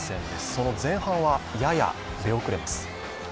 その前半はやや出遅れます。